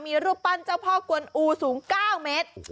มีรูปปั้นเจ้าพ่อกวนอูสูง๙เมตร